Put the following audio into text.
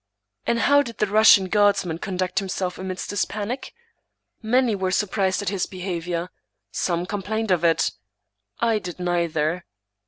And how did the Russian guardsman conduct himself amidst this panic? Many were surprised at his behavior; some complained of it ; I did neither.